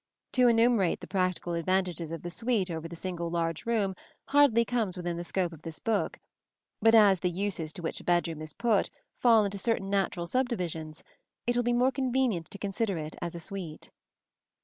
To enumerate the practical advantages of the suite over the single large room hardly comes within the scope of this book; but as the uses to which a bedroom is put fall into certain natural subdivisions, it will be more convenient to consider it as a suite.